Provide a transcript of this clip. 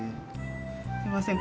すいません